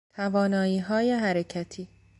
تواناییهای حرکتی